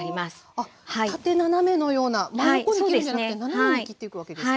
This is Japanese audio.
あ縦斜めのような真横に切るんじゃなくて斜めに切っていくわけですか？